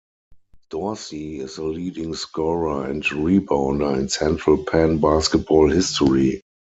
Dorsey is the leading scorer and rebounder in Central Penn basketball history.